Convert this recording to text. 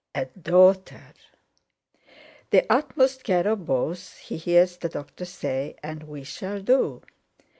A daughter! "The utmost care of both," he hears the doctor say, "and we shall do.